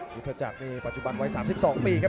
ยุทธจักรนี่ปัจจุบันวัย๓๒ปีครับ